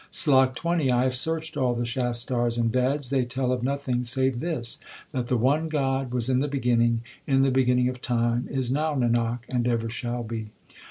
SLOK XX I have searched all the Shastars and Veds ; they tell of nothing save this, That the one God was in the beginning, in the beginning of time, is now, Nanak, and ever shall be.